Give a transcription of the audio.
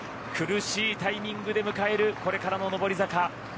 苦しいタイミングで迎えるこれからの上り坂。